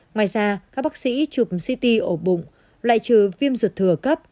ngoài ra các bác sĩ chụp ct ổ bụng loại trừ viêm ruột thừa cấp